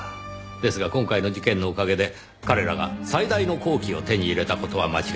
ですが今回の事件のおかげで彼らが最大の好機を手に入れた事は間違いありません。